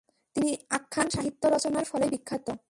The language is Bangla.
তিনি আখ্যান সাহিত্য রচনার ফলেই বিখ্যাত।